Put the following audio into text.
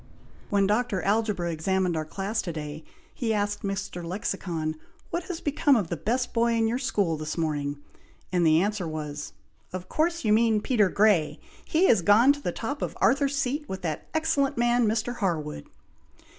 When Dr. Algebra examined our class to day, he asked Mr. Lexicon, 'What has become of the best boy in your school this morning?' and the answer was, 'Of course your mean Peter Grey! He is gone to the top of Arthur's Seat with that excellent man, Mr. Harwood!'"